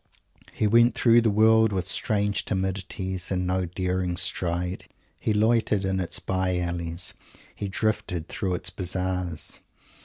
He went through the world with strange timidities and no daring stride. He loitered in its by alleys. He drifted through its Bazaars.